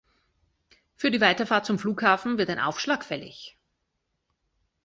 Für die Weiterfahrt zum Flughafen wird ein Aufschlag fällig.